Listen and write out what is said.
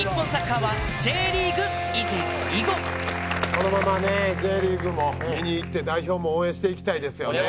このままねＪリーグも見に行って代表も応援していきたいですよね。